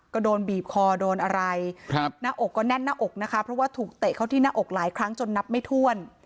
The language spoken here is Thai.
ก็โดนบีบคอโดนอะไรหน้าอกก็แน่นหน้าอกนะคะเพราะว่าถูกเตะเข้าที่หน้าอกหลายครั้งจนนับไม่ถ้วน